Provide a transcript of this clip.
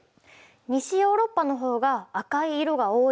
西ヨーロッパのほうが赤い色が多い。